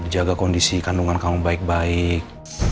jaga kondisi kandungan kamu baik baik